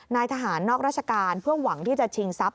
นายทหารนอกราชการเพื่อหวังที่จะชิงทรัพย